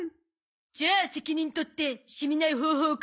じゃあ責任取ってしみない方法考えて。